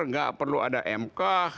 tidak perlu ada mk